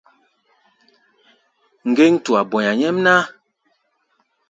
Ŋgéŋ tua bɔ̧i̧a̧ nyɛ́mná.